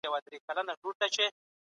څنګه کولای سو د فساد مخنیوی وکړو؟